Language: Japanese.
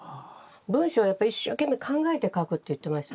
「文章はやっぱり一生懸命考えて書く」って言ってました。